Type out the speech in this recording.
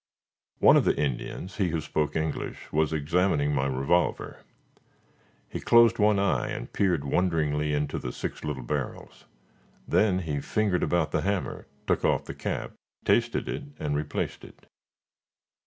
One of the Indians he who spoke English was examining my revolver. He closed one eye and peered wonderingly into the six little barrels; then he fingered about the hammer, took off the cap, tasted it, and replaced it.